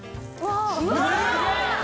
すげえ！